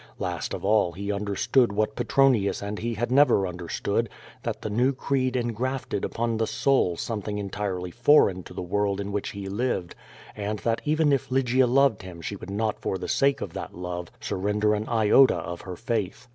Last of all he understood what Petronius and he had never under stood, that the new creed engrafted upon the soul something entirely foreign to the world in which he lived, and that even if Lygia loved him she would not for the sake of that lovo surrender an iota of her faith.